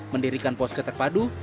mendirikan poske terpadu